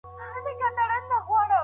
زوم د سيالۍ او کفائت په معنی نه پوهيدی.